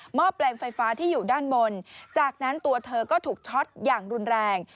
แปลงไฟฟ้าที่อยู่ด้านบนจากนั้นตัวเธอก็ถูกช็อตอย่างรุนแรง